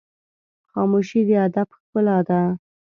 خاموشي، د ادب ښکلا ده.